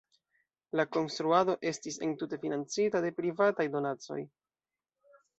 La konstruado estis entute financita de privataj donacoj.